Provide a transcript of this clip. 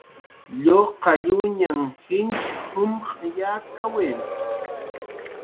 Lluqalluñanhn jich jumq'w yakawi